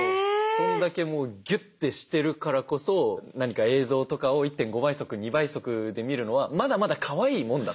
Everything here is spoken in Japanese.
そんだけもうギュッてしてるからこそ何か映像とかを１．５倍速２倍速で見るのはまだまだかわいいもんだと。